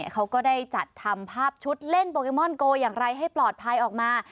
เขาก็ได้จัดทำภาพชุดเล่นโปเกมอนโกอย่างไรให้ปลอดภัยออกมา